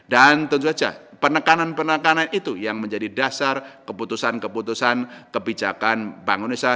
dan tentu saja penekanan penekanan itu yang menjadi dasar keputusan keputusan kebijakan bank indonesia